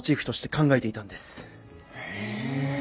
へえ。